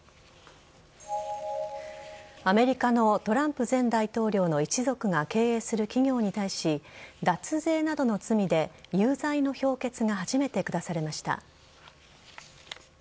アメリカのトランプ前大統領の一族が経営する企業に対し脱税などの罪で有罪の評決が初めて下されました。